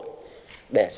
dịch tễ học